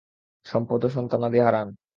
সম্পদ ও সন্তানাদি হারান।